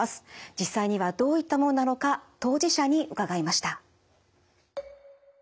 実際にはどういったものなのか当事者に伺いました。